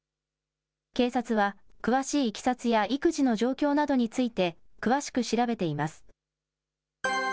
警察は、詳しいいきさつや育児の状況などについて、詳しく調べています。